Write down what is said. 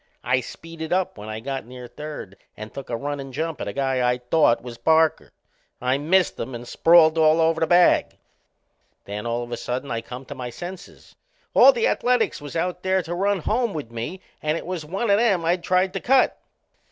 I speeded up when I got near third and took a runnin' jump at a guy I thought was Parker. I missed him and sprawled all over the bag. Then, all of a sudden, I come to my senses. All the Ath a letics was out there to run home with me and it was one o' them I'd tried to cut.